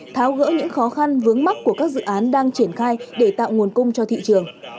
tháo gỡ những khó khăn vướng mắt của các dự án đang triển khai để tạo nguồn cung cho thị trường